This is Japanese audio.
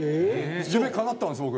夢かなったんです僕。